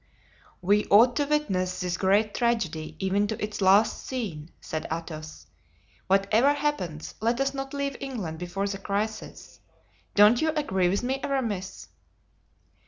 "We ought to witness this great tragedy even to its last scene," said Athos. "Whatever happens, let us not leave England before the crisis. Don't you agree with me, Aramis?"